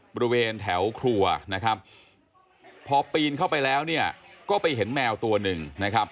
บริเวณแถวครัวนะครับพอปีนเข้าไปแล้วเนี่ยก็ไปเห็นแมวตัวหนึ่งนะครับ